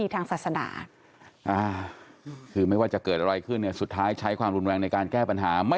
ทุกผู้ชมครับ